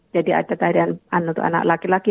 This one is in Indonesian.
jadi ada tarian untuk anak laki laki